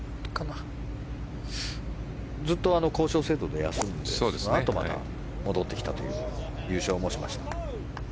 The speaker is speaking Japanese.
ずっと休んでいてそのあと、また戻ってきたという優勝もしました。